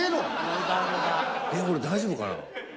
えっ俺大丈夫かな。